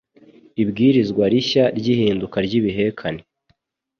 ibwirizwa rishya ry'ihinduka ry'ibihekane